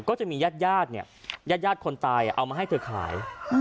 ก็จะมีญาติญาติคนตายเอามาให้เธอขาย